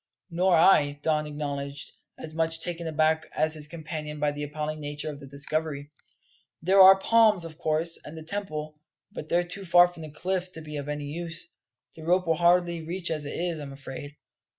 "Nor I," Don acknowledged, as much taken aback as his companion by the appalling nature of this discovery. "There are the palms, of course, and the temple; but they're too far from the cliff to be of any use. The rope will hardly reach as it is, I'm afraid."